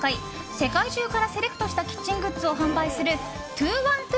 世界中からセレクトしたキッチングッズを販売する２１２